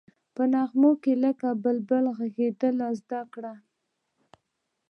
په نغمه لکه بلبل غږېدل زده کړه.